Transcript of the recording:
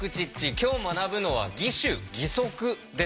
今日学ぶのは義手義足です。